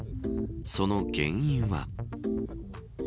その原因は。